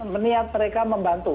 meniat mereka membantu